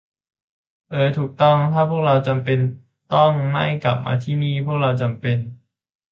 เออ ถูกต้อง ถ้าพวกเราจำเป็นต้องไม่กลับมาที่นี่ พวกเราจำเป็น